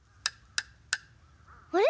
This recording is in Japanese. あれ？